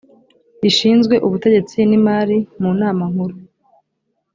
rishinzwe ubutegetsi n’imari mu nama nkuru